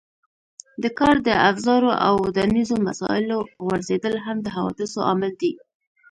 د کار د افزارو او ودانیزو مسالو غورځېدل هم د حوادثو عامل دی.